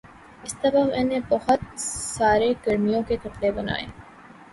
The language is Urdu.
اس دفعہ میں نے بہت سارے گرمیوں کے کپڑے بنائے